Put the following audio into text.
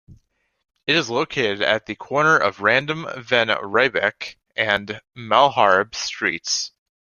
It is located at the corner of Random van Riebeck and Malharbe streets.